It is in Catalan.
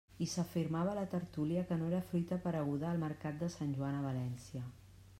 I s'afirmava a la tertúlia que no era fruita apareguda al mercat de Sant Joan a València.